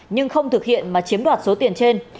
nhưng không thực hiện mà chiếm đoạt số tiền trên